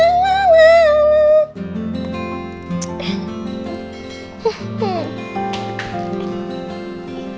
lah nah lah lah lah lah